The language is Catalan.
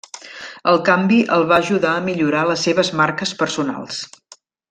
El canvi el va ajudar a millorar les seves marques personals.